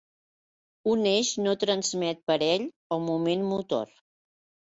Un eix no transmet parell o moment motor.